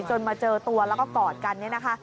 จนมาเจอตัวแล้วก็กอดกัน